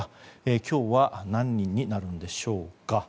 今日は何人になるのでしょうか。